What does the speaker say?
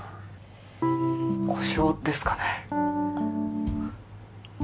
故障ですかね。